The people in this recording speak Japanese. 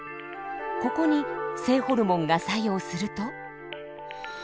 ここに性ホルモンが作用すると。